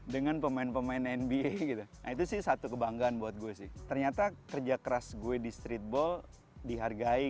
dan ini adalah salah satu mimpi gue sih